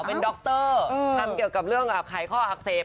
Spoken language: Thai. เป็นดรทำเกี่ยวกับเรื่องไขข้ออักเสบ